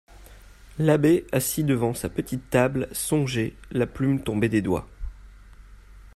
L'abbé, assis devant sa petite table, songeait, la plume tombée des doigts.